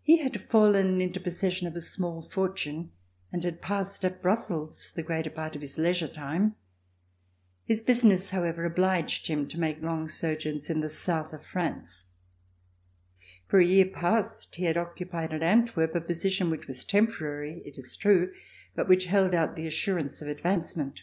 He had fallen into possession of a small fortune and had passed at Brussels the greater part of his leisure time. His business, however, obliged him to make long sojourns in the south of France. For a year past he had occupied at Antwerp a position which was temporary, it is true, but which held out the assurance of advancement.